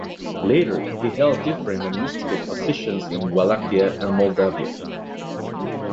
Later he held different administrative positions in Wallachia and Moldavia.